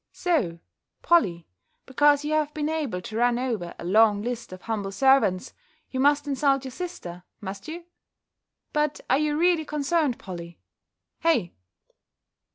"So, Polly, because you have been able to run over a long list of humble servants, you must insult your sister, must you? But are you really concerned, Polly? Hey!"